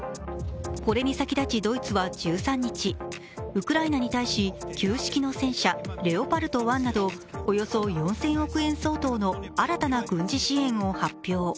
これに先立ちドイツは１３日、ウクライナに対し旧式の戦車・レオパルト１などおよそ４０００億円相当の新たな軍事支援を発表。